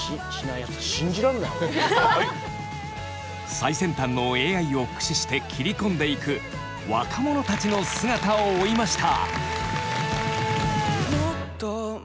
最先端のＡＩを駆使して切り込んでいく若者たちの姿を追いました。